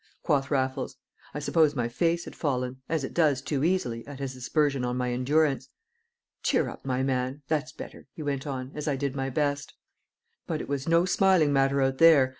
quoth Raffles. I suppose my face had fallen (as it does too easily) at his aspersion on my endurance. "Cheer up, my man; that's better," he went on, as I did my best. "But it was no smiling matter out there.